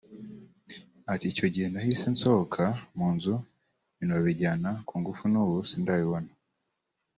Ati “Icyo gihe nahise nsohoka mu nzu ibintu babijyana ku ngufu n’ubu sindabibona